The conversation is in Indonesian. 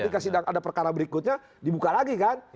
ketika sidang ada perkara berikutnya dibuka lagi kan